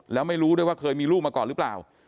แล้วไม่รู้ด้วยว่าเคยมีลูกมาก่อนหรือเปล่า